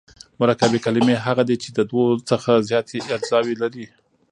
مرکبي کلیمې هغه دي، چي د دوو څخه زیاتي اجزاوي لري.